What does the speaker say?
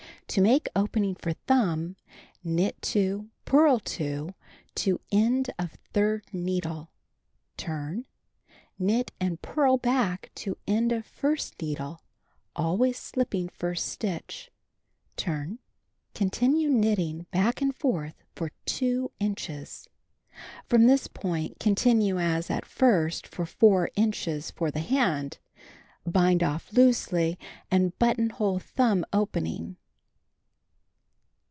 To make opening for thumb, knit 2, purl 2 to end of third needle, turn; knit and purl back tf) end of first nc^HlIe, always slipping first stitch; turn. Continue knitting back and forth for 2 inches. From this point continue as at first for 4 niches for the hand. Bind off loosely and buttonhole thumb opening.